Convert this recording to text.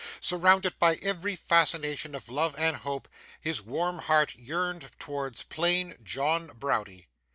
Surrounded by every fascination of love and hope, his warm heart yearned towards plain John Browdie.